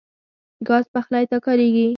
ګاز پخلی ته کارېږي.